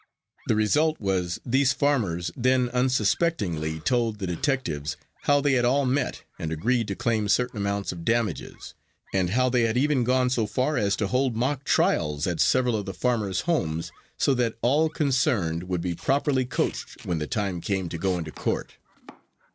The result was these farmers then unsuspectingly told the detectives how they had all met and agreed to claim certain amounts of damages, and how they had even gone so far as to hold mock trials at several of the farmers' homes, so that all concerned would be properly coached when the time came to go into court.